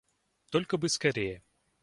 Только бы скорее.